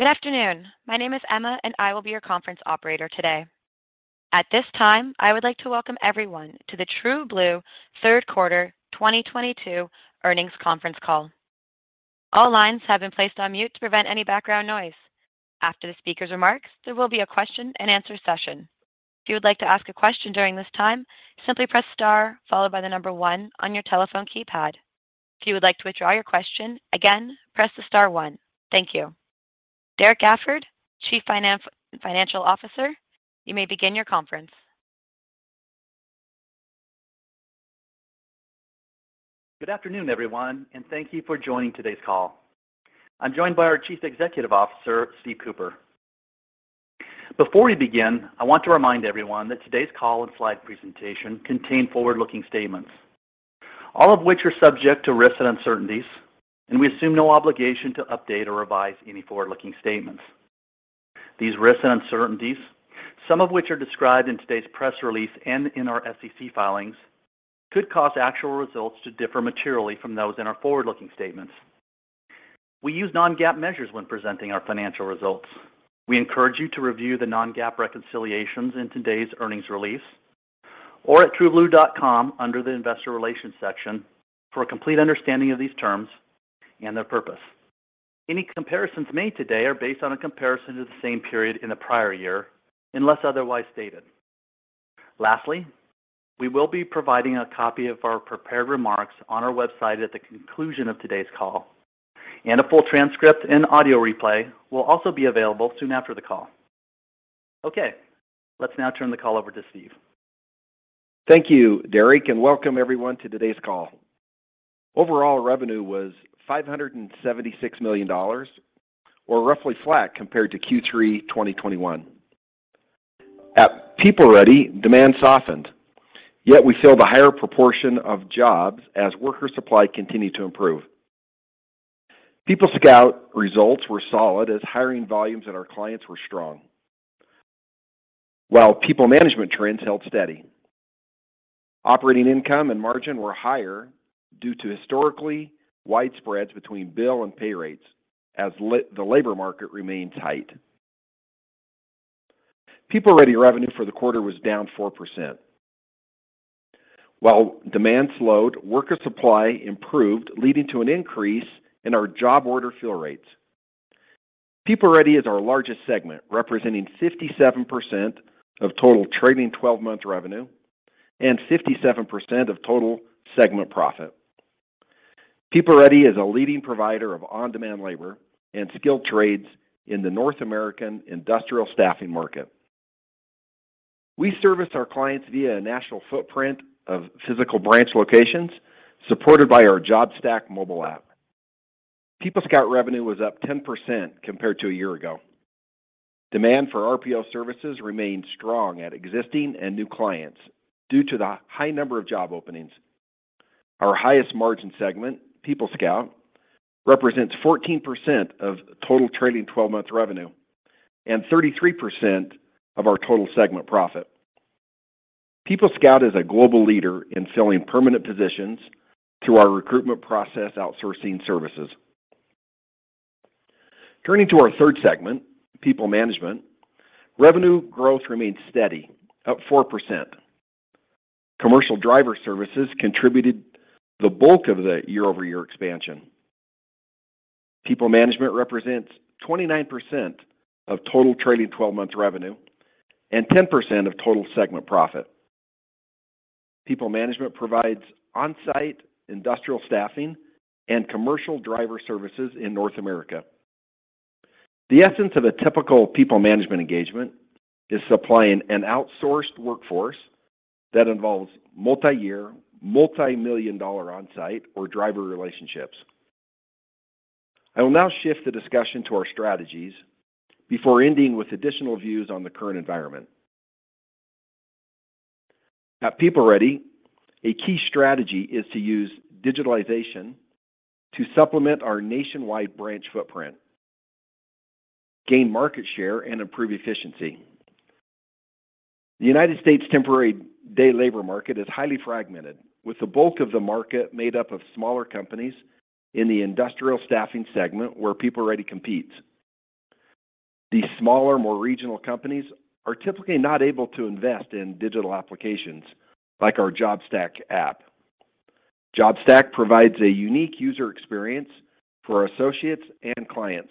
Good afternoon. My name is Emma, and I will be your conference operator today. At this time, I would like to welcome everyone to the TrueBlue third quarter 2022 earnings conference call. All lines have been placed on mute to prevent any background noise. After the speaker's remarks, there will be a question-and-answer session. If you would like to ask a question during this time, simply press star followed by the number one on your telephone keypad. If you would like to withdraw your question, again, press the star one. Thank you. Derrek Gafford, Chief Financial Officer, you may begin your conference. Good afternoon, everyone, and thank you for joining today's call. I'm joined by our Chief Executive Officer, Steve Cooper. Before we begin, I want to remind everyone that today's call and slide presentation contain forward-looking statements, all of which are subject to risks and uncertainties, and we assume no obligation to update or revise any forward-looking statements. These risks and uncertainties, some of which are described in today's press release and in our SEC filings, could cause actual results to differ materially from those in our forward-looking statements. We use non-GAAP measures when presenting our financial results. We encourage you to review the non-GAAP reconciliations in today's earnings release or at trueblue.com under the Investor Relations section for a complete understanding of these terms and their purpose. Any comparisons made today are based on a comparison to the same period in the prior year, unless otherwise stated. Lastly, we will be providing a copy of our prepared remarks on our website at the conclusion of today's call, and a full transcript and audio replay will also be available soon after the call. Okay, let's now turn the call over to Steve. Thank you, Derrek, and welcome everyone to today's call. Overall revenue was $576 million, or roughly flat compared to Q3 2021. At PeopleReady, demand softened, yet we filled a higher proportion of jobs as worker supply continued to improve. PeopleScout results were solid as hiring volumes at our clients were strong. While PeopleManagement trends held steady. Operating income and margin were higher due to historically wide spreads between bill and pay rates as the labor market remained tight. PeopleReady revenue for the quarter was down 4%. While demand slowed, worker supply improved, leading to an increase in our job order fill rates. PeopleReady is our largest segment, representing 57% of total trailing twelve-month revenue and 57% of total segment profit. PeopleReady is a leading provider of on-demand labor and skilled trades in the North American industrial staffing market. We service our clients via a national footprint of physical branch locations supported by our JobStack mobile app. PeopleScout revenue was up 10% compared to a year ago. Demand for RPO services remained strong at existing and new clients due to the high number of job openings. Our highest margin segment, PeopleScout, represents 14% of total trailing twelve-month revenue and 33% of our total segment profit. PeopleScout is a global leader in selling permanent positions through our recruitment process outsourcing services. Turning to our third segment, PeopleManagement, revenue growth remained steady, up 4%. Commercial driver services contributed the bulk of the year-over-year expansion. PeopleManagement represents 29% of total trailing 12-month revenue and 10% of total segment profit. PeopleManagement provides on-site industrial staffing and commercial driver services in North America. The essence of a typical PeopleManagement engagement is supplying an outsourced workforce that involves multi-year, multimillion-dollar on-site or driver relationships. I will now shift the discussion to our strategies before ending with additional views on the current environment. At PeopleReady, a key strategy is to use digitalization to supplement our nationwide branch footprint, gain market share, and improve efficiency. The United States temporary day labor market is highly fragmented, with the bulk of the market made up of smaller companies in the industrial staffing segment where PeopleReady competes. These smaller, more regional companies are typically not able to invest in digital applications like our JobStack app. JobStack provides a unique user experience for our associates and clients,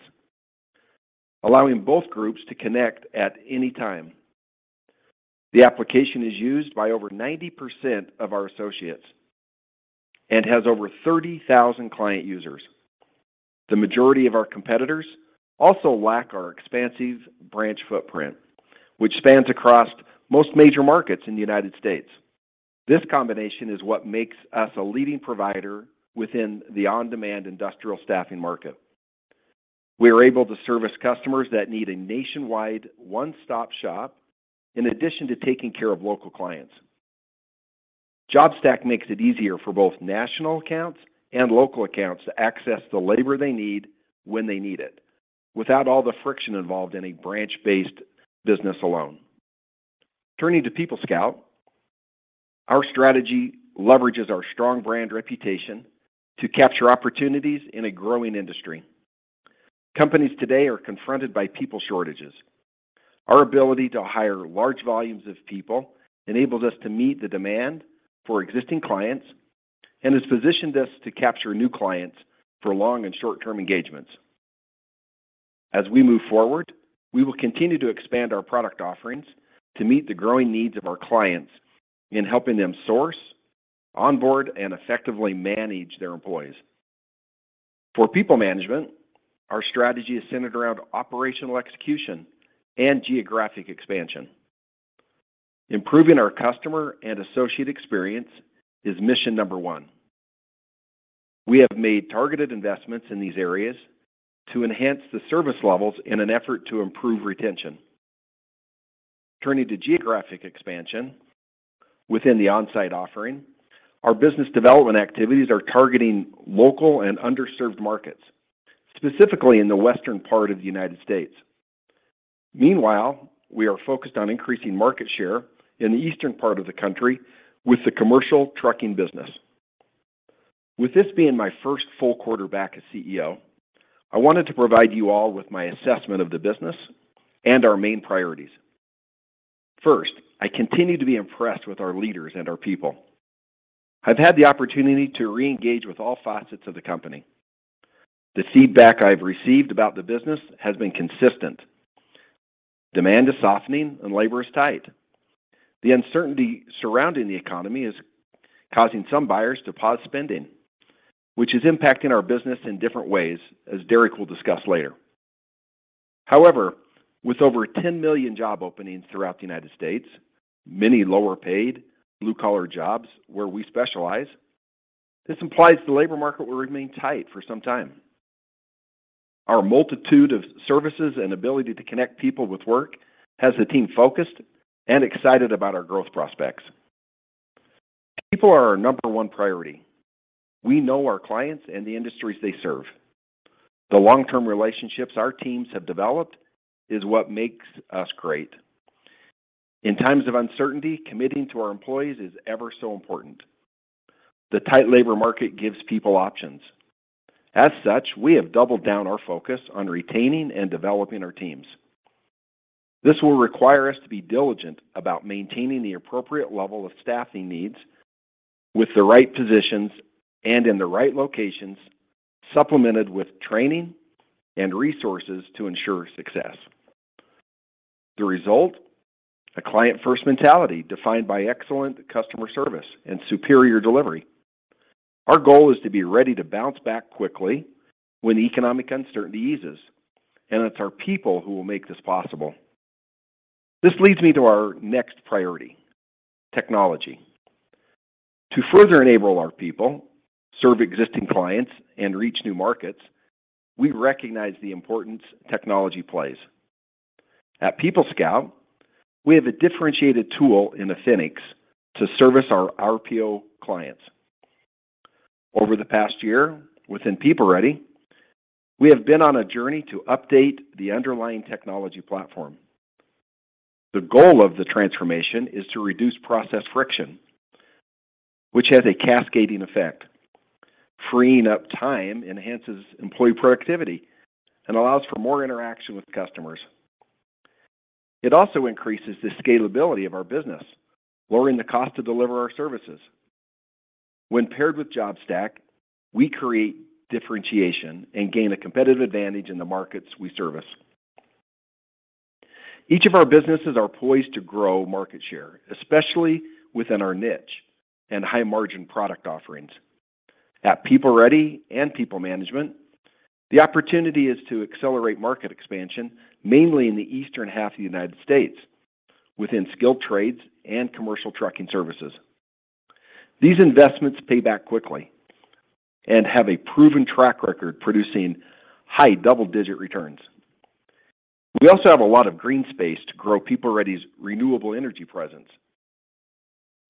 allowing both groups to connect at any time. The application is used by over 90% of our associates and has over 30,000 client users. The majority of our competitors also lack our expansive branch footprint, which spans across most major markets in the United States. This combination is what makes us a leading provider within the on-demand industrial staffing market. We are able to service customers that need a nationwide one-stop shop in addition to taking care of local clients. JobStack makes it easier for both national accounts and local accounts to access the labor they need when they need it without all the friction involved in a branch-based business alone. Turning to PeopleScout. Our strategy leverages our strong brand reputation to capture opportunities in a growing industry. Companies today are confronted by people shortages. Our ability to hire large volumes of people enables us to meet the demand for existing clients and has positioned us to capture new clients for long and short-term engagements. As we move forward, we will continue to expand our product offerings to meet the growing needs of our clients in helping them source, onboard, and effectively manage their employees. For PeopleManagement, our strategy is centered around Operational Execution and Geographic Expansion. Improving our customer and associate experience is mission number one. We have made targeted investments in these areas to enhance the service levels in an effort to improve retention. Turning to Geographic Expansion within the onsite offering, our business development activities are targeting local and underserved markets, specifically in the western part of the United States. Meanwhile, we are focused on increasing market share in the eastern part of the country with the commercial trucking business. With this being my first full quarter back as CEO, I wanted to provide you all with my assessment of the business and our main priorities. First, I continue to be impressed with our leaders and our people. I've had the opportunity to reengage with all facets of the company. The feedback I've received about the business has been consistent. Demand is softening and labor is tight. The uncertainty surrounding the economy is causing some buyers to pause spending, which is impacting our business in different ways, as Derrek will discuss later. However, with over 10 million job openings throughout the United States, many lower paid blue collar jobs where we specialize, this implies the labor market will remain tight for some time. Our multitude of services and ability to connect people with work has the team focused and excited about our growth prospects. People are our number one priority. We know our clients and the industries they serve. The long-term relationships our teams have developed is what makes us great. In times of uncertainty, committing to our employees is ever so important. The tight labor market gives people options. As such, we have doubled down our focus on retaining and developing our teams. This will require us to be diligent about maintaining the appropriate level of staffing needs with the right positions and in the right locations, supplemented with training and resources to ensure success. The result, a client-first mentality defined by excellent customer service and superior delivery. Our goal is to be ready to bounce back quickly when economic uncertainty eases, and it's our people who will make this possible. This leads me to our next priority: Technology. To further enable our people, serve existing clients, and reach new markets, we recognize the importance technology plays. At PeopleScout, we have a differentiated tool in Affinix to service our RPO clients. Over the past year within PeopleReady, we have been on a journey to update the underlying technology platform. The goal of the transformation is to reduce process friction, which has a cascading effect. Freeing up time enhances employee productivity and allows for more interaction with customers. It also increases the scalability of our business, lowering the cost to deliver our services. When paired with JobStack, we create differentiation and gain a competitive advantage in the markets we service. Each of our businesses are poised to grow market share, especially within our niche and high margin product offerings. At PeopleReady and PeopleManagement, the opportunity is to accelerate market expansion, mainly in the eastern half of the United States within skilled trades and commercial trucking services. These investments pay back quickly and have a proven track record, producing high double-digit returns. We also have a lot of green space to grow PeopleReady's renewable energy presence.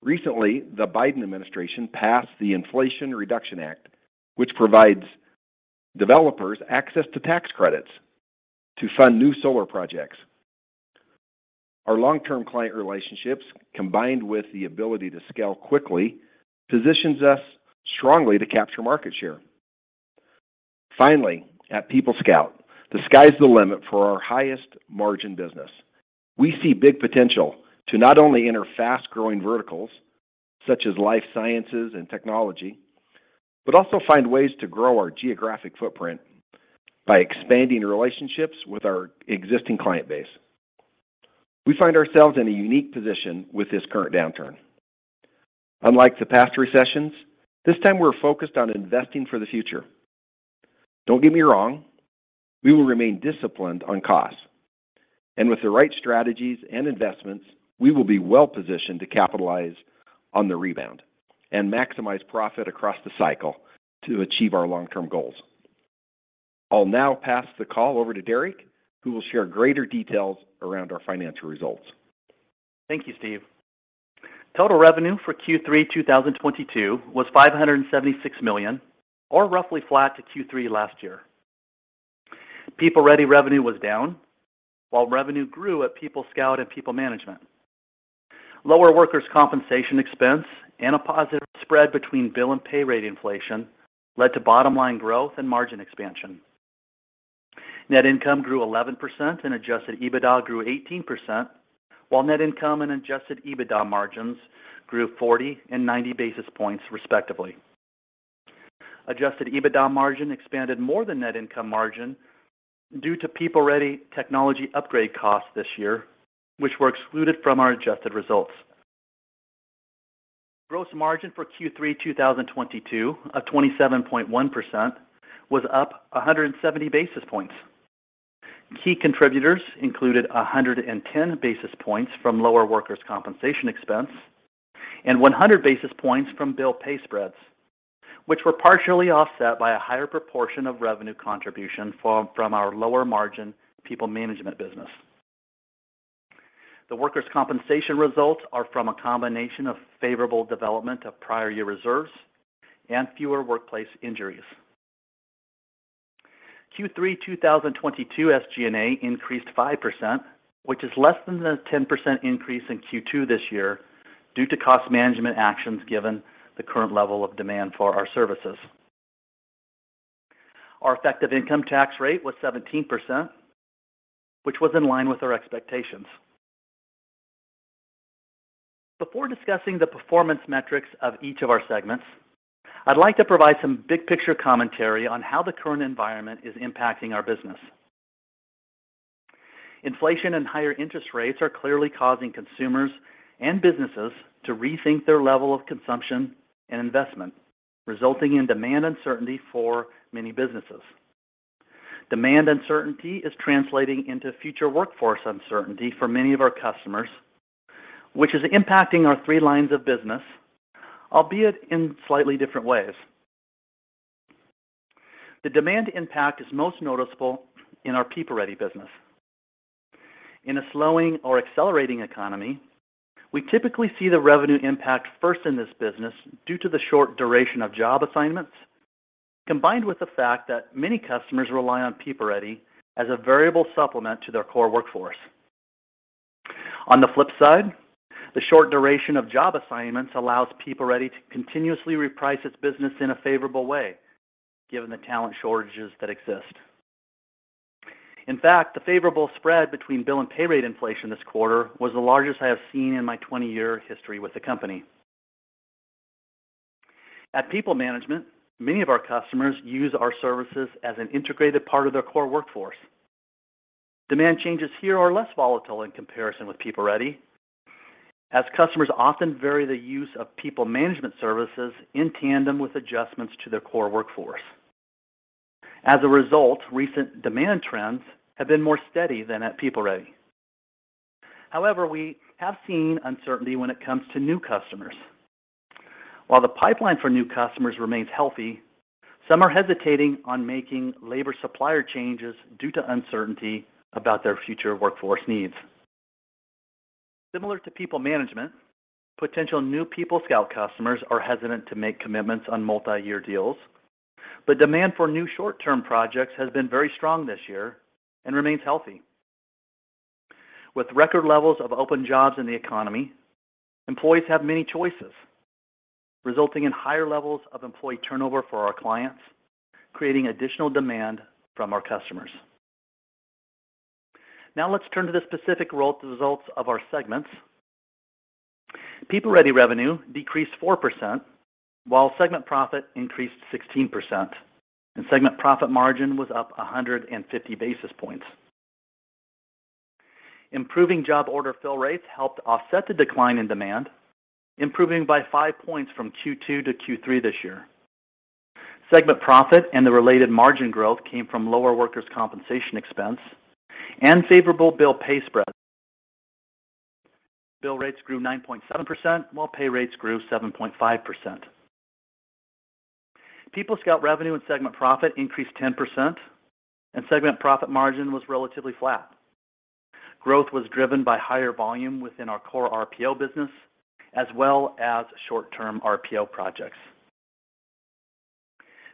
Recently, the Biden administration passed the Inflation Reduction Act, which provides developers access to tax credits to fund new solar projects. Our long-term client relationships, combined with the ability to scale quickly, positions us strongly to capture market share. Finally, at PeopleScout, the sky's the limit for our highest margin business. We see big potential to not only enter fast-growing verticals such as life sciences and technology, but also find ways to grow our geographic footprint by expanding relationships with our existing client base. We find ourselves in a unique position with this current downturn. Unlike the past recessions, this time we're focused on investing for the future. Don't get me wrong, we will remain disciplined on costs, and with the right strategies and investments, we will be well positioned to capitalize on the rebound and maximize profit across the cycle to achieve our long-term goals. I'll now pass the call over to Derrek, who will share greater details around our financial results. Thank you, Steve. Total revenue for Q3 2022 was $576 million, or roughly flat to Q3 last year. PeopleReady revenue was down, while revenue grew at PeopleScout and PeopleManagement. Lower workers' compensation expense and a positive spread between bill and pay rate inflation led to bottom-line growth and margin expansion. Net income grew 11%, and adjusted EBITDA grew 18%, while net income and Adjusted EBITDA margins grew 40 and 90 basis points respectively. Adjusted EBITDA margin expanded more than net income margin due to PeopleReady technology upgrade costs this year, which were excluded from our adjusted results. Gross margin for Q3 2022 of 27.1% was up 170 basis points. Key contributors included 110 basis points from lower workers' compensation expense and 100 basis points from bill pay spreads, which were partially offset by a higher proportion of revenue contribution from our lower margin PeopleManagement business. The workers' compensation results are from a combination of favorable development of prior year reserves and fewer workplace injuries. Q3 2022 SG&A increased 5%, which is less than the 10% increase in Q2 this year due to cost management actions given the current level of demand for our services. Our effective income tax rate was 17%, which was in line with our expectations. Before discussing the performance metrics of each of our segments, I'd like to provide some big picture commentary on how the current environment is impacting our business. Inflation and higher interest rates are clearly causing consumers and businesses to rethink their level of consumption and investment, resulting in demand uncertainty for many businesses. Demand uncertainty is translating into future workforce uncertainty for many of our customers, which is impacting our three lines of business, albeit in slightly different ways. The demand impact is most noticeable in our PeopleReady business. In a slowing or accelerating economy, we typically see the revenue impact first in this business due to the short duration of job assignments, combined with the fact that many customers rely on PeopleReady as a variable supplement to their core workforce. On the flip side, the short duration of job assignments allows PeopleReady to continuously reprice its business in a favorable way, given the talent shortages that exist. In fact, the favorable spread between bill and pay rate inflation this quarter was the largest I have seen in my 20-year history with the company. At PeopleManagement, many of our customers use our services as an integrated part of their core workforce. Demand changes here are less volatile in comparison with PeopleReady, as customers often vary the use of PeopleManagement services in tandem with adjustments to their core workforce. As a result, recent demand trends have been more steady than at PeopleReady. However, we have seen uncertainty when it comes to new customers. While the pipeline for new customers remains healthy, some are hesitating on making labor supplier changes due to uncertainty about their future workforce needs. Similar to PeopleManagement, potential new PeopleScout customers are hesitant to make commitments on multi-year deals, but demand for new short-term projects has been very strong this year and remains healthy. With record levels of open jobs in the economy, employees have many choices, resulting in higher levels of employee turnover for our clients, creating additional demand from our customers. Now let's turn to the specific results of our segments. PeopleReady revenue decreased 4%, while segment profit increased 16%, and segment profit margin was up 150 basis points. Improving job order fill rates helped offset the decline in demand, improving by 5 points from Q2 to Q3 this year. Segment profit and the related margin growth came from lower workers' compensation expense and favorable bill pay spreads. Bill rates grew 9.7%, while pay rates grew 7.5%. PeopleScout revenue and segment profit increased 10%, and segment profit margin was relatively flat. Growth was driven by higher volume within our Core RPO business as well as short-term RPO projects.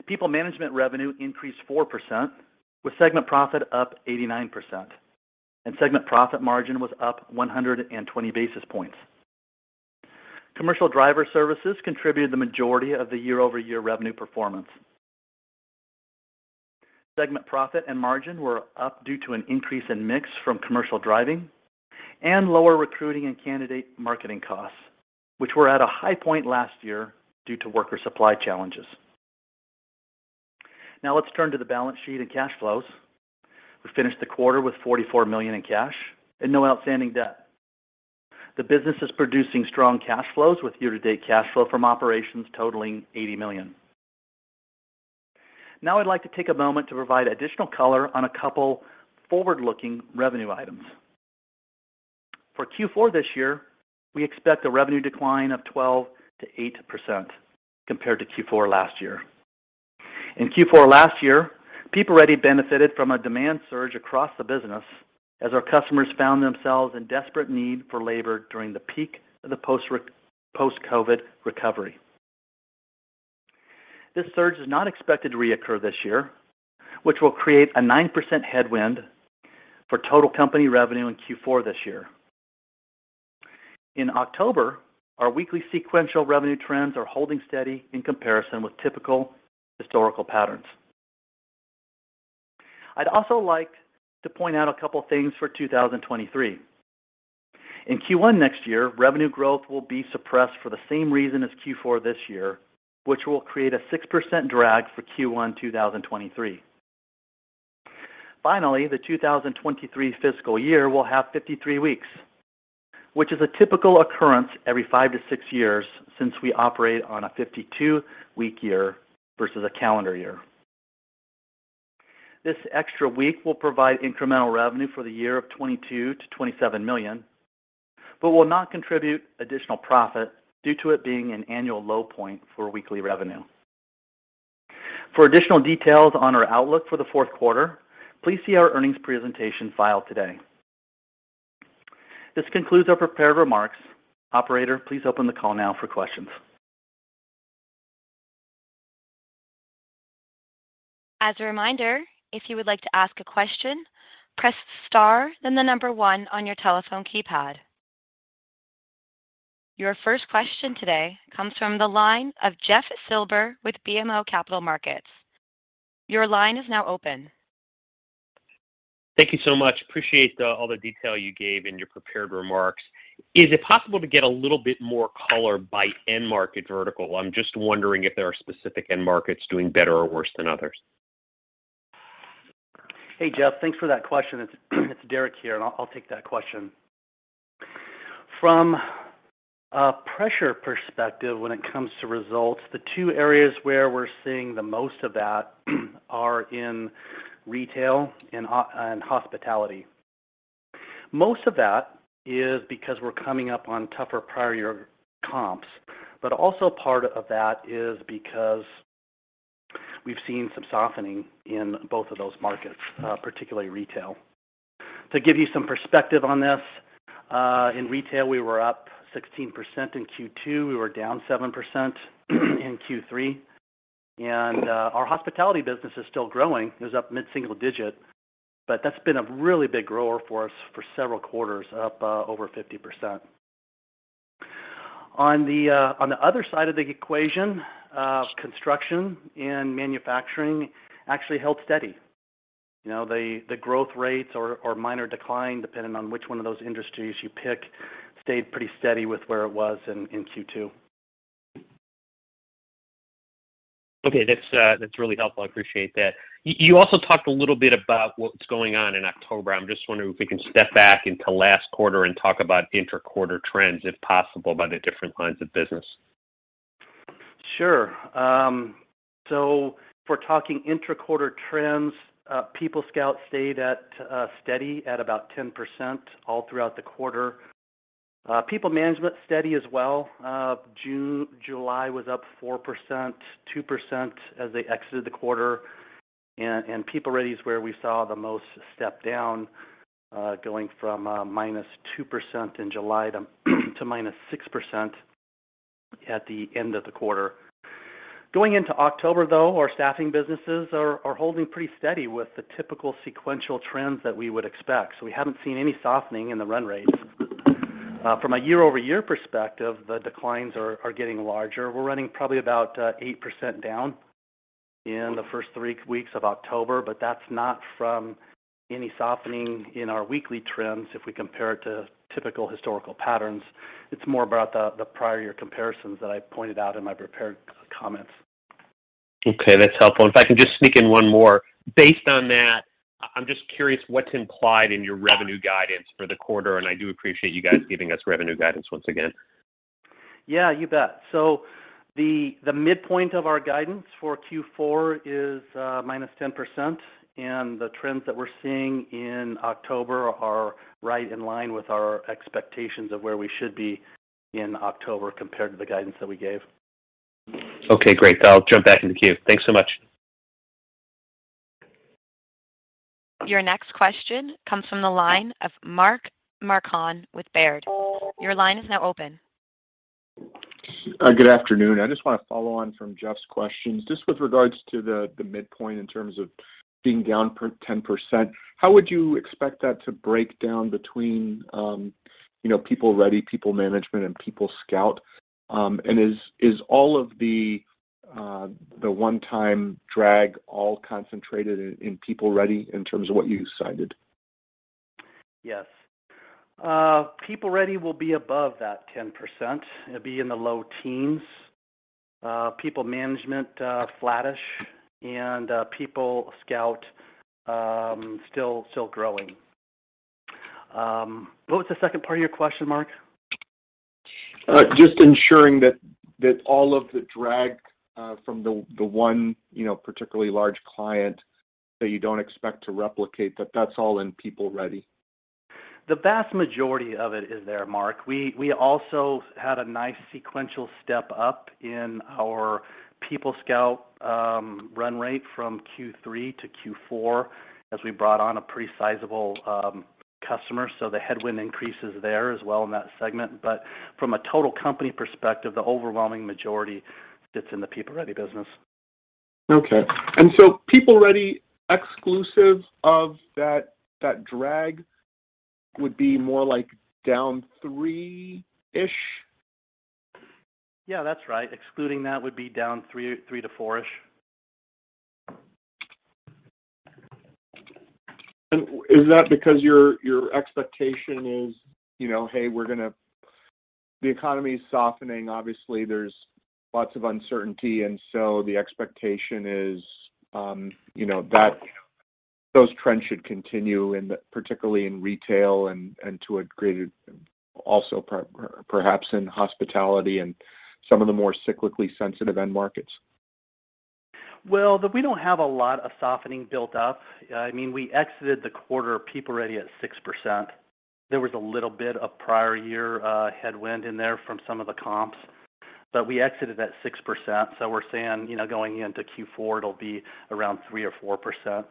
PeopleManagement revenue increased 4%, with segment profit up 89%, and segment profit margin was up 120 basis points. Commercial driver services contributed the majority of the year-over-year revenue performance. Segment profit and margin were up due to an increase in mix from commercial driving and lower recruiting and candidate marketing costs, which were at a high point last year due to worker supply challenges. Now let's turn to the balance sheet and cash flows. We finished the quarter with $44 million in cash and no outstanding debt. The business is producing strong cash flows with year-to-date cash flow from operations totaling $80 million. Now I'd like to take a moment to provide additional color on a couple forward-looking revenue items. For Q4 this year, we expect a revenue decline of 12%-8% compared to Q4 last year. In Q4 last year, PeopleReady benefited from a demand surge across the business as our customers found themselves in desperate need for labor during the peak of the post-COVID recovery. This surge is not expected to reoccur this year, which will create a 9% headwind for total company revenue in Q4 this year. In October, our weekly sequential revenue trends are holding steady in comparison with typical historical patterns. I'd also like to point out a couple of things for 2023. In Q1 next year, revenue growth will be suppressed for the same reason as Q4 this year, which will create a 6% drag for Q1 2023. Finally, the 2023 fiscal year will have 53 weeks, which is a typical occurrence every five to six years since we operate on a 52-week year versus a calendar year. This extra week will provide incremental revenue for the year of $22 million-$27 million, but will not contribute additional profit due to it being an annual low point for weekly revenue. For additional details on our outlook for the fourth quarter, please see our earnings presentation filed today. This concludes our prepared remarks. Operator, please open the call now for questions. As a reminder, if you would like to ask a question, press star, then the number one on your telephone keypad. Your first question today comes from the line of Jeff Silber with BMO Capital Markets. Your line is now open. Thank you so much. Appreciate all the detail you gave in your prepared remarks. Is it possible to get a little bit more color by end market vertical? I'm just wondering if there are specific end markets doing better or worse than others? Hey, Jeff, thanks for that question. It's Derrek here, and I'll take that question. From a pressure perspective when it comes to results, the two areas where we're seeing the most of that are in retail and hospitality. Most of that is because we're coming up on tougher prior year comps, but also part of that is because we've seen some softening in both of those markets, particularly retail. To give you some perspective on this, in retail, we were up 16% in Q2. We were down 7% in Q3. Our hospitality business is still growing. It was up mid-single digit, but that's been a really big grower for us for several quarters, up over 50%. On the other side of the equation, construction and manufacturing actually held steady. You know, the growth rates or minor decline, depending on which one of those industries you pick, stayed pretty steady with where it was in Q2. Okay. That's really helpful. I appreciate that. You also talked a little bit about what's going on in October. I'm just wondering if we can step back into last quarter and talk about inter-quarter trends, if possible, by the different lines of business. Sure. So if we're talking inter-quarter trends, PeopleScout stayed steady at about 10% all throughout the quarter. PeopleManagement steady as well. June, July was up 4%, 2% as they exited the quarter. PeopleReady is where we saw the most step down, going from -2% in July to -6% at the end of the quarter. Going into October, though, our staffing businesses are holding pretty steady with the typical sequential trends that we would expect, so we haven't seen any softening in the run rates. From a year-over-year perspective, the declines are getting larger. We're running probably about 8% down in the first three weeks of October, but that's not from any softening in our weekly trends if we compare it to typical historical patterns. It's more about the prior year comparisons that I pointed out in my prepared comments. Okay, that's helpful. If I can just sneak in one more. Based on that, I'm just curious what's implied in your revenue guidance for the quarter, and I do appreciate you guys giving us revenue guidance once again. Yeah, you bet. The midpoint of our guidance for Q4 is -10%, and the trends that we're seeing in October are right in line with our expectations of where we should be in October compared to the guidance that we gave. Okay, great. I'll jump back in the queue. Thanks so much. Your next question comes from the line of Mark Marcon with Baird. Your line is now open. Good afternoon. I just want to follow on from Jeff's questions. Just with regards to the midpoint in terms of being down 10%, how would you expect that to break down between, you know, PeopleReady, PeopleManagement, and PeopleScout? And is all of the one-time drag all concentrated in PeopleReady in terms of what you cited? Yes. PeopleReady will be above that 10%. It'll be in the low teens. PeopleManagement, flattish, and PeopleScout, still growing. What was the second part of your question, Mark? Just ensuring that all of the drag from the one, you know, particularly large client that you don't expect to replicate, that's all in PeopleReady. The vast majority of it is there, Marc. We also had a nice sequential step up in our PeopleScout run rate from Q3 to Q4 as we brought on a pretty sizable customer, so the headwind increase is there as well in that segment. From a total company perspective, the overwhelming majority sits in the PeopleReady business. Okay. PeopleReady, exclusive of that drag would be more like down 3%-ish? Yeah, that's right. Excluding that would be down 3%-4%-ish. Is that because your expectation is, you know, the economy is softening, obviously there's lots of uncertainty, and so the expectation is, you know, that those trends should continue particularly in retail and to a greater also perhaps in hospitality and some of the more cyclically sensitive end markets. Well, we don't have a lot of softening built up. I mean, we exited the quarter of PeopleReady at 6%. There was a little bit of prior year headwind in there from some of the comps, but we exited at 6%. We're saying, you know, going into Q4, it'll be around 3%-4%.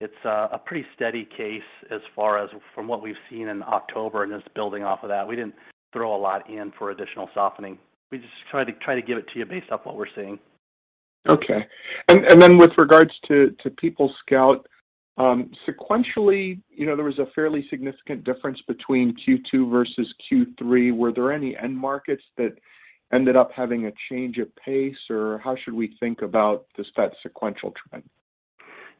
It's a pretty steady case as far as from what we've seen in October, and it's building off of that. We didn't throw a lot in for additional softening. We just try to give it to you based off what we're seeing. Okay. Then with regards to PeopleScout, sequentially, you know, there was a fairly significant difference between Q2 versus Q3. Were there any end markets that ended up having a change of pace, or how should we think about just that sequential trend?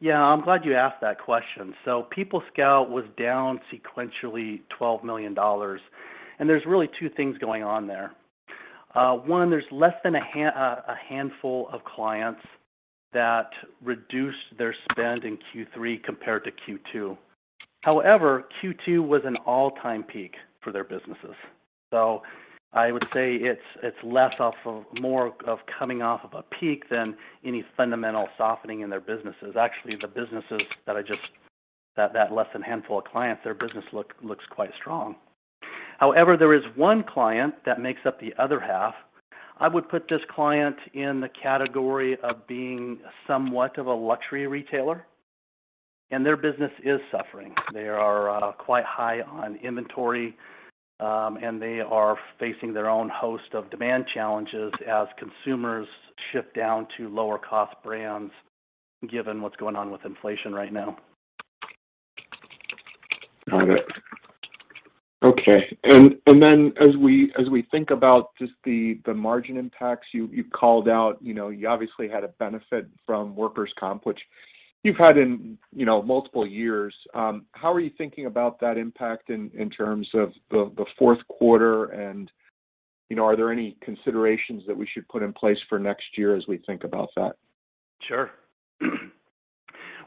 Yeah, I'm glad you asked that question. PeopleScout was down sequentially $12 million, and there's really two things going on there. One, there's less than a handful of clients that reduced their spend in Q3 compared to Q2. However, Q2 was an all-time peak for their businesses. I would say it's more of coming off of a peak than any fundamental softening in their businesses. Actually, the businesses less than a handful of clients, their business looks quite strong. However, there is one client that makes up the other half. I would put this client in the category of being somewhat of a luxury retailer, and their business is suffering. They are quite high on inventory, and they are facing their own host of demand challenges as consumers shift down to lower cost brands, given what's going on with inflation right now. Got it. Okay. Then as we think about just the margin impacts, you called out, you know, you obviously had a benefit from workers' comp, which you've had in, you know, multiple years. How are you thinking about that impact in terms of the fourth quarter and, you know, are there any considerations that we should put in place for next year as we think about that? Sure.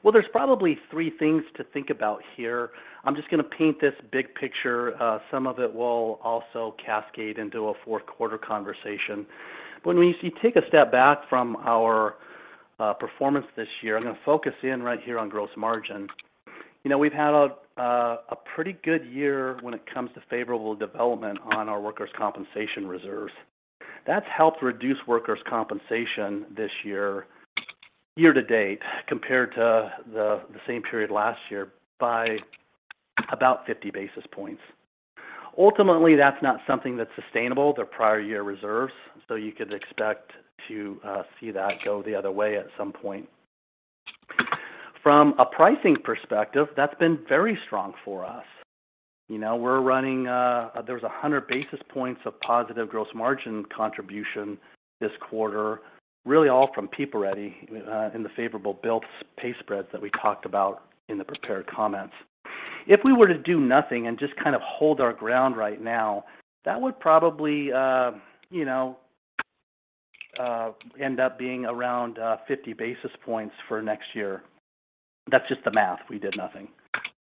Well, there's probably three things to think about here. I'm just gonna paint this big picture. Some of it will also cascade into a fourth quarter conversation. If you take a step back from our performance this year, I'm gonna focus in right here on gross margin. You know, we've had a pretty good year when it comes to favorable development on our workers' compensation reserves. That's helped reduce workers' compensation this year to date, compared to the same period last year by about 50 basis points. Ultimately, that's not something that's sustainable, the prior year reserves, so you could expect to see that go the other way at some point. From a pricing perspective, that's been very strong for us. You know, we're running. There's 100 basis points of positive gross margin contribution this quarter, really all from PeopleReady, in the favorable bill pay spreads that we talked about in the prepared comments. If we were to do nothing and just kind of hold our ground right now, that would probably, you know, end up being around, 50 basis points for next year. That's just the math. We did nothing.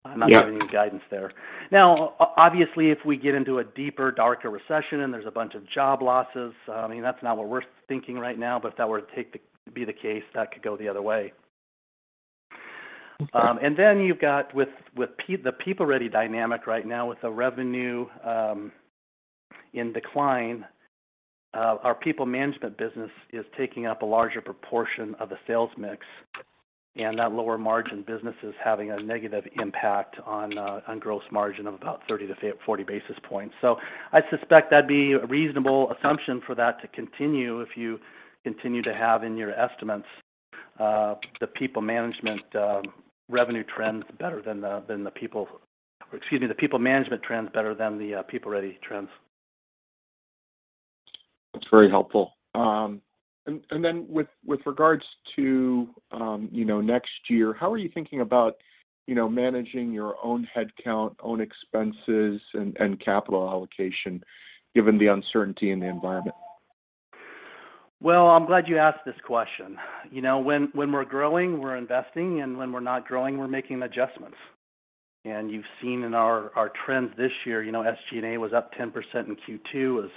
Yeah. I'm not giving you guidance there. Now, obviously, if we get into a deeper, darker recession, and there's a bunch of job losses, I mean, that's not what we're thinking right now, but if that were to be the case, that could go the other way. Okay. You've got with the PeopleReady dynamic right now with the revenue in decline, our PeopleManagement business is taking up a larger proportion of the sales mix, and that lower margin business is having a negative impact on gross margin of about 30-40 basis points. I suspect that'd be a reasonable assumption for that to continue if you continue to have in your estimates the PeopleManagement revenue trends better than the PeopleReady trends. That's very helpful. With regards to, you know, next year, how are you thinking about, you know, managing your own headcount, own expenses and capital allocation, given the uncertainty in the environment? Well, I'm glad you asked this question. You know, when we're growing, we're investing, and when we're not growing, we're making adjustments. You've seen in our trends this year, you know, SG&A was up 10% in Q2. It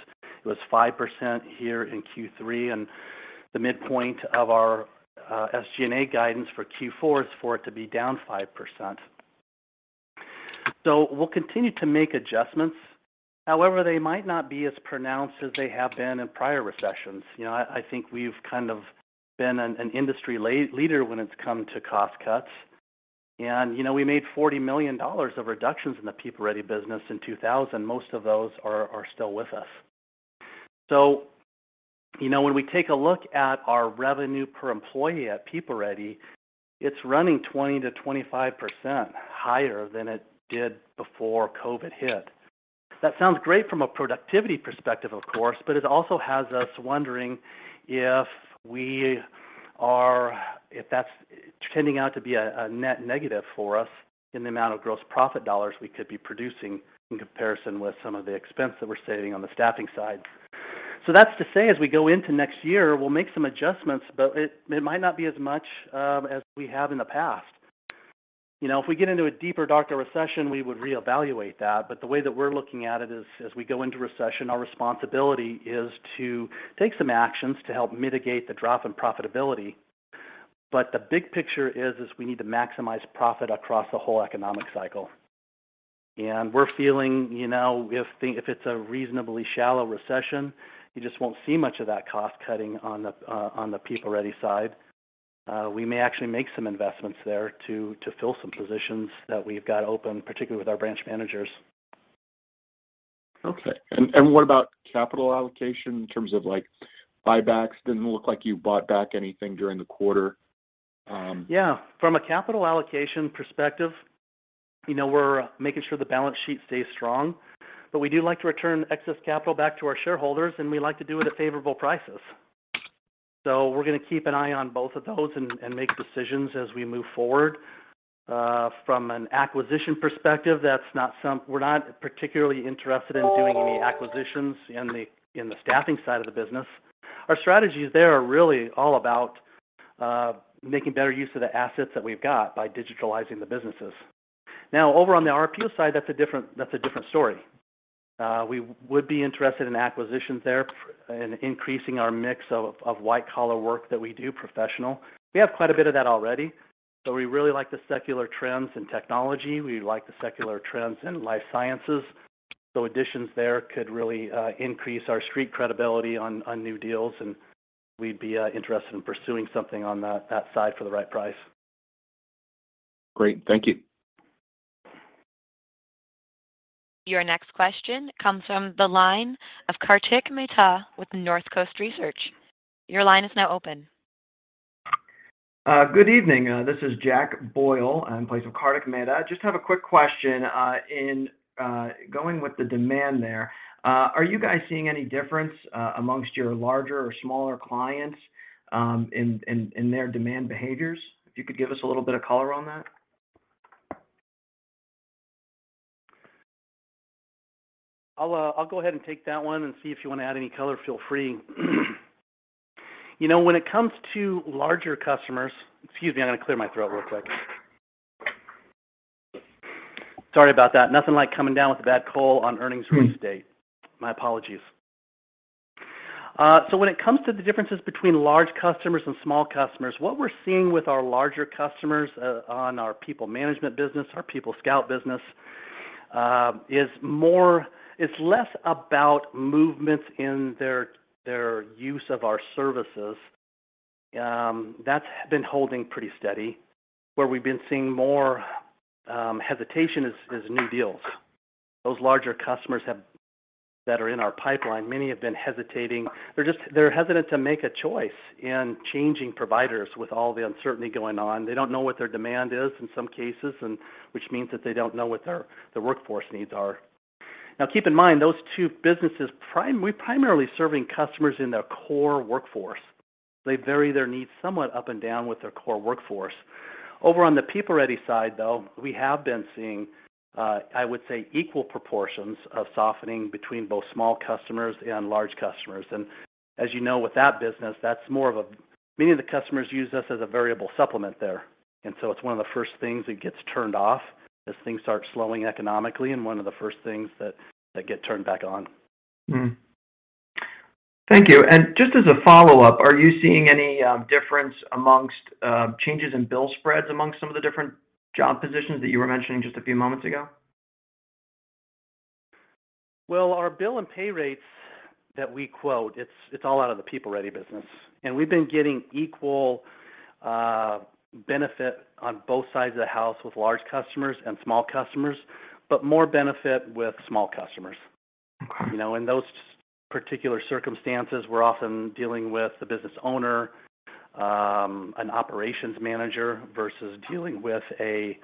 was 5% here in Q3. The midpoint of our SG&A guidance for Q4 is for it to be down 5%. We'll continue to make adjustments. However, they might not be as pronounced as they have been in prior recessions. You know, I think we've kind of been an industry leader when it comes to cost cuts. You know, we made $40 million of reductions in the PeopleReady business in 2000. Most of those are still with us. You know, when we take a look at our revenue per employee at PeopleReady, it's running 20%-25% higher than it did before COVID hit. That sounds great from a productivity perspective, of course, but it also has us wondering if that's turning out to be a net negative for us in the amount of gross profit dollars we could be producing in comparison with some of the expense that we're saving on the staffing side. That's to say, as we go into next year, we'll make some adjustments, but it might not be as much as we have in the past. You know, if we get into a deeper, darker recession, we would reevaluate that. The way that we're looking at it is, as we go into recession, our responsibility is to take some actions to help mitigate the drop in profitability. The big picture is we need to maximize profit across the whole economic cycle. We're feeling, you know, if it's a reasonably shallow recession, you just won't see much of that cost-cutting on the PeopleReady side. We may actually make some investments there to fill some positions that we've got open, particularly with our branch managers. Okay. What about capital allocation in terms of, like, buybacks? Didn't look like you bought back anything during the quarter? Yeah. From a capital allocation perspective, you know, we're making sure the balance sheet stays strong. We do like to return excess capital back to our shareholders, and we like to do it at favorable prices. We're gonna keep an eye on both of those and make decisions as we move forward. From an acquisition perspective, we're not particularly interested in doing any acquisitions in the staffing side of the business. Our strategies there are really all about making better use of the assets that we've got by digitizing the businesses. Now, over on the RPO side, that's a different story. We would be interested in acquisitions there and increasing our mix of white-collar work that we do, professional. We have quite a bit of that already, but we really like the secular trends in technology. We like the secular trends in life sciences. Additions there could really increase our street credibility on new deals, and we'd be interested in pursuing something on that side for the right price. Great. Thank you. Your next question comes from the line of Kartik Mehta with Northcoast Research. Your line is now open. Good evening. This is Jack Boyle in place of Kartik Mehta. Just have a quick question. In going with the demand there, are you guys seeing any difference amongst your larger or smaller clients, in their demand behaviors? If you could give us a little bit of color on that? I'll go ahead and take that one, and see if you wanna add any color, feel free. You know, when it comes to larger customers. Excuse me, I'm gonna clear my throat real quick. Sorry about that. Nothing like coming down with a bad cold on earnings release date. My apologies. When it comes to the differences between large customers and small customers, what we're seeing with our larger customers, on our PeopleManagement business, our PeopleScout business, is more. It's less about movements in their use of our services. That's been holding pretty steady. Where we've been seeing more hesitation is new deals. Those larger customers that are in our pipeline, many have been hesitating. They're just hesitant to make a choice in changing providers with all the uncertainty going on. They don't know what their demand is in some cases, and which means that they don't know what their workforce needs are. Now, keep in mind, those two businesses. We're primarily serving customers in their core workforce. They vary their needs somewhat up and down with their core workforce. Over on the PeopleReady side, though, we have been seeing, I would say, equal proportions of softening between both small customers and large customers. As you know with that business, that's more of a, many of the customers use us as a variable supplement there. It's one of the first things that gets turned off as things start slowing economically and one of the first things that get turned back on. Thank you. Just as a follow-up, are you seeing any difference among changes in bill spreads among some of the different job positions that you were mentioning just a few moments ago? Well, our bill and pay rates that we quote, it's all out of the PeopleReady business. We've been getting equal benefit on both sides of the house with large customers and small customers, but more benefit with small customers. Okay. You know, in those particular circumstances, we're often dealing with the business owner, an operations manager versus dealing with a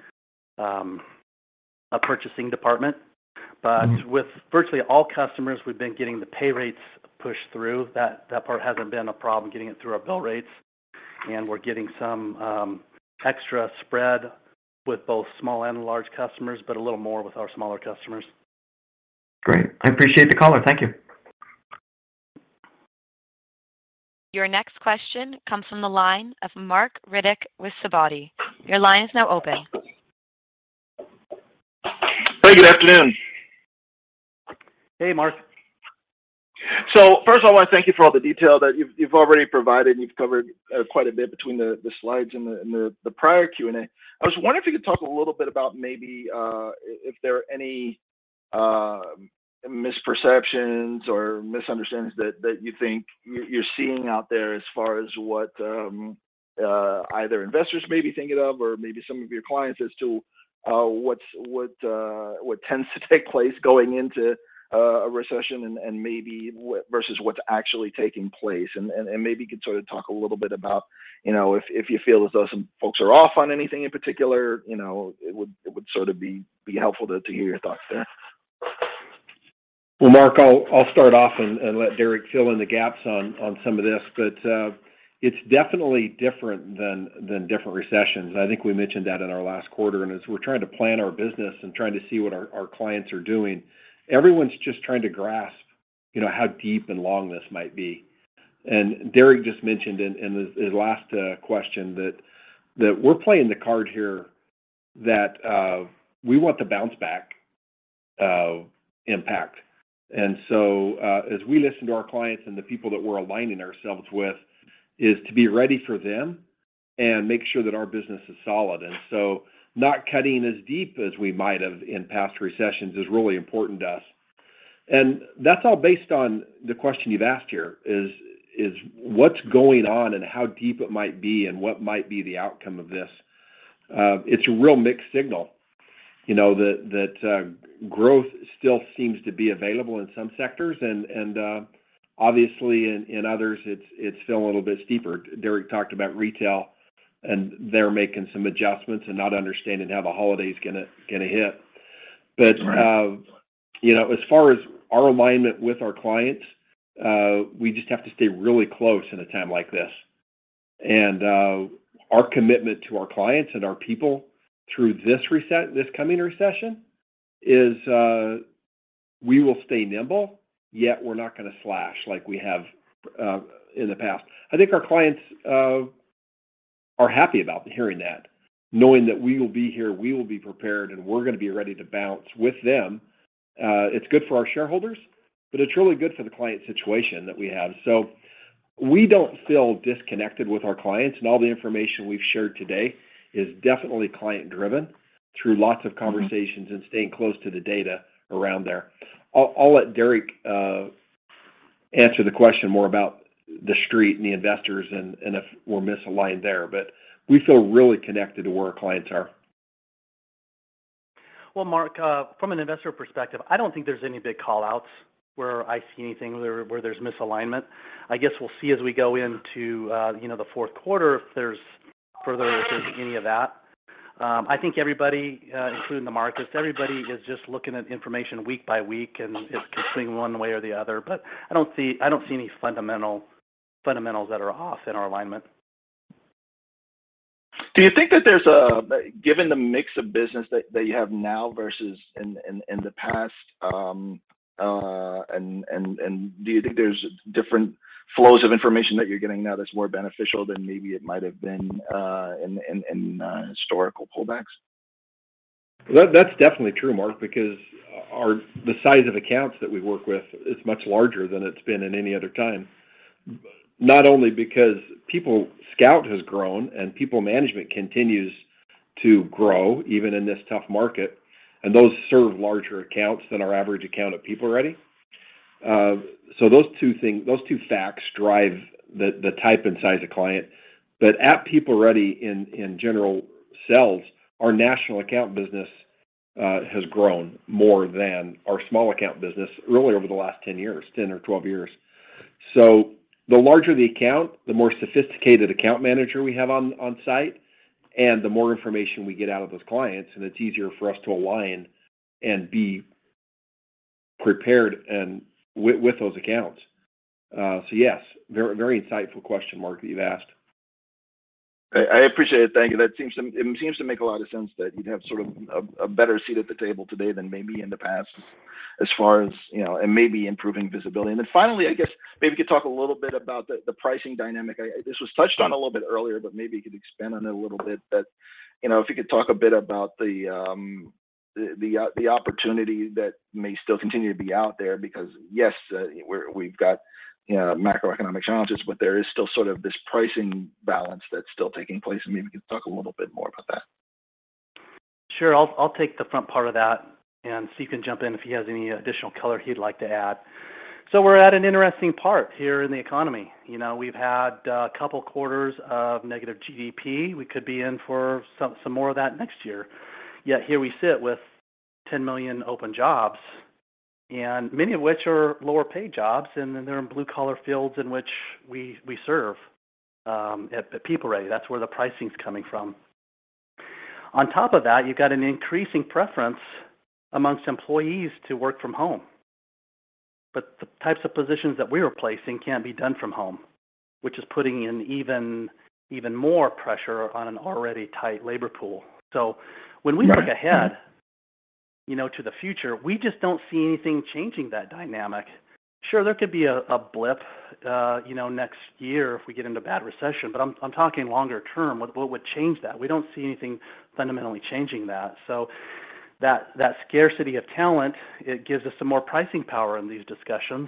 purchasing department. Mm-hmm. With virtually all customers, we've been getting the pay rates pushed through. That part hasn't been a problem, getting it through our bill rates. We're getting some extra spread with both small and large customers, but a little more with our smaller customers. Great. I appreciate the color. Thank you. Your next question comes from the line of Marc Riddick with Sidoti & Company. Your line is now open. Hey, good afternoon. Hey, Mark. First of all, I wanna thank you for all the detail that you've already provided, and you've covered quite a bit between the slides and the prior Q&A. I was wondering if you could talk a little bit about maybe if there are any misperceptions or misunderstandings that you think you're seeing out there as far as what either investors may be thinking of? Or maybe some of your clients as to what tends to take place going into a recession and maybe versus what's actually taking place? Maybe you could sort of talk a little bit about, you know, if you feel as though some folks are off on anything in particular. You know, it would sort of be helpful to hear your thoughts there. Well, Marc, I'll start off and let Derrek fill in the gaps on some of this, but it's definitely different than different recessions. I think we mentioned that in our last quarter. As we're trying to plan our business and trying to see what our clients are doing, everyone's just trying to grasp, you know, how deep and long this might be. Derek just mentioned in his last question that we're playing the card here that we want the bounce back impact. So, as we listen to our clients and the people that we're aligning ourselves with, is to be ready for them and make sure that our business is solid. Not cutting as deep as we might have in past recessions is really important to us. That's all based on the question you've asked here, is what's going on and how deep it might be, and what might be the outcome of this. It's a real mixed signal, you know, that growth still seems to be available in some sectors, and obviously in others, it's still a little bit steeper. Derrek talked about retail, and they're making some adjustments and not understanding how the holiday's gonna hit. Right. You know, as far as our alignment with our clients, we just have to stay really close in a time like this. Our commitment to our clients and our people through this coming recession is, we will stay nimble, yet we're not gonna slash like we have in the past. I think our clients are happy about hearing that, knowing that we will be here, we will be prepared, and we're gonna be ready to bounce with them. It's good for our shareholders, but it's really good for the client situation that we have. We don't feel disconnected with our clients, and all the information we've shared today is definitely client-driven through lots of conversations and staying close to the data around there. I'll let Derrek Gafford answer the question more about the Street and the Investors and if we're misaligned there, but we feel really connected to where our clients are. Well, Marc, from an investor perspective, I don't think there's any big call-outs where I see anything where there's misalignment. I guess we'll see as we go into the fourth quarter if there's any of that. I think everybody, including the markets, is just looking at information week by week and it's tilting one way or the other, but I don't see any fundamentals that are off in our alignment. Do you think that, given the mix of business that you have now versus in the past, and do you think there's different flows of information that you're getting now that's more beneficial than maybe it might have been in historical pullbacks? That's definitely true, Marc, because the size of accounts that we work with is much larger than it's been in any other time. Not only because PeopleScout has grown and PeopleManagement continues to grow even in this tough market, and those serve larger accounts than our average account at PeopleReady. Those two facts drive the type and size of client. At PeopleReady in general sales, our national account business has grown more than our small account business really over the last 10 years, 10 or 12 years. The larger the account, the more sophisticated account manager we have on site, and the more information we get out of those clients, and it's easier for us to align and be prepared and with those accounts. Yes, very insightful question, Marc, that you've asked. I appreciate it. Thank you. That seems to make a lot of sense that you'd have sort of a better seat at the table today than maybe in the past as far as, you know, and maybe improving visibility. Then finally, I guess maybe you could talk a little bit about the pricing dynamic. This was touched on a little bit earlier, but maybe you could expand on it a little bit. You know, if you could talk a bit about the opportunity that may still continue to be out there because, yes, we've got, you know, macroeconomic challenges, but there is still sort of this pricing balance that's still taking place, and maybe we could talk a little bit more about that. Sure. I'll take the front part of that, and Steve can jump in if he has any additional color he'd like to add. We're at an interesting part here in the economy. You know, we've had a couple quarters of -GDP. We could be in for some more of that next year. Yet here we sit with 10 million open jobs, and many of which are lower paid jobs, and they're in blue collar fields in which we serve at PeopleReady. That's where the pricing's coming from. On top of that, you've got an increasing preference among employees to work from home. The types of positions that we're placing can't be done from home, which is putting an even more pressure on an already tight labor pool. When we look ahead. Right. You know, to the future, we just don't see anything changing that dynamic. Sure, there could be a blip, you know, next year if we get into bad recession, but I'm talking longer term. What would change that? We don't see anything fundamentally changing that. That scarcity of talent, it gives us some more pricing power in these discussions,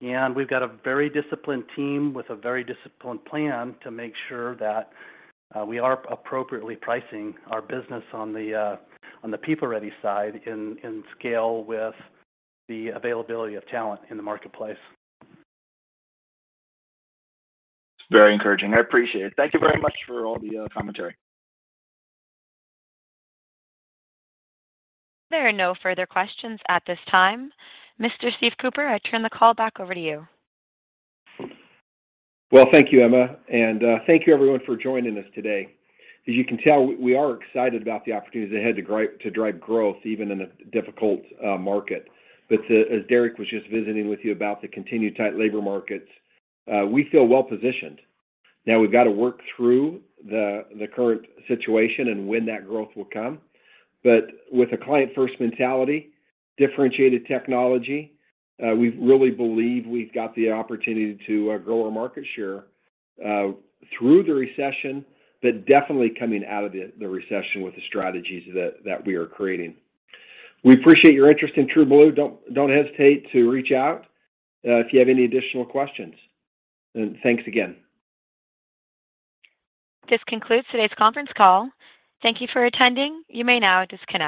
and we've got a very disciplined team with a very disciplined plan to make sure that we are appropriately pricing our business on the PeopleReady side in scale with the availability of talent in the marketplace. Very encouraging. I appreciate it. Thank you very much for all the commentary. There are no further questions at this time. Mr. Steve Cooper, I turn the call back over to you. Well, thank you, Emma, and thank you everyone for joining us today. As you can tell, we are excited about the opportunities ahead to drive growth even in a difficult market. As Derrek was just visiting with you about the continued tight labor markets, we feel well-positioned. Now, we've got to work through the current situation and when that growth will come. With a client first mentality, differentiated technology, we really believe we've got the opportunity to grow our market share through the recession, but definitely coming out of the recession with the strategies that we are creating. We appreciate your interest in TrueBlue. Don't hesitate to reach out if you have any additional questions. Thanks again. This concludes today's conference call. Thank you for attending. You may now disconnect.